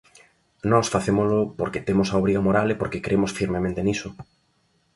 Nós facémolo porque temos a obriga moral e porque cremos firmemente niso.